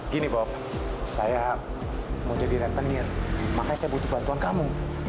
gini bahwa saya mau jadi rentenir makanya saya butuh bantuan kamu